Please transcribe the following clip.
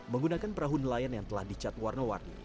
menggunakan perahu nelayan yang telah dicat warna warni